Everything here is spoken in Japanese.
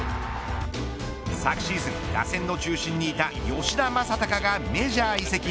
昨シーズン打線の中心にいた吉田正尚がメジャー移籍。